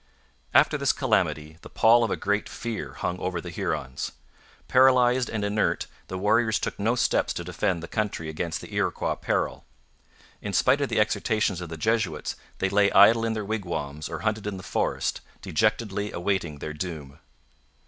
After this calamity the pall of a great fear hung over the Hurons. Paralysed and inert, the warriors took no steps to defend the country against the Iroquois peril. In spite of the exhortations of the Jesuits, they lay idle in their wigwams or hunted in the forest, dejectedly awaiting their doom.